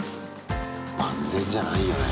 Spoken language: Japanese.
万全じゃないよね。